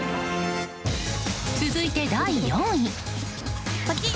続いて第４位。